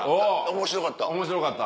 面白かった。